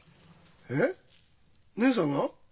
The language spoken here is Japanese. えっ義姉さんが？